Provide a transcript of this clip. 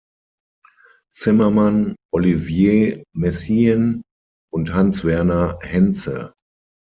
Zimmermann, Olivier Messiaen und Hans Werner Henze.